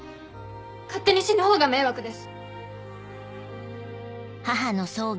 勝手に死ぬ方が迷惑です。